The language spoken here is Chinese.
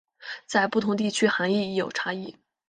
在不同地区涵义亦有差异。